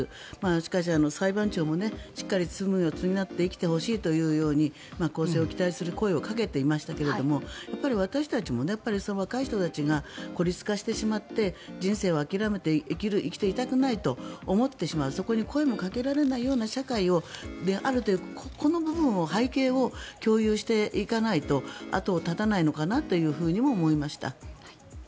しかし、裁判長もしっかり罪を償って生きてほしいというように更生を期待する声をかけていましたが私たちも若い人たちが孤立化してしまって人生を諦めて生きていたくないと思ってしまうそこに声もかけられないような社会であるというこの部分を、背景を共有していかないと後が絶たないのかなとも思いました。